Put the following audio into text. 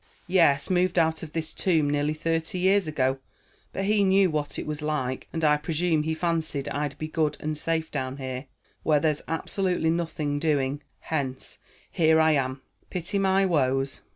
"Yes, moved out of this tomb nearly thirty years ago. But he knew what it was like, and I presume he fancied I'd be good and safe down here, where there's absolutely nothing doing. Hence, here I am. Pity my woes."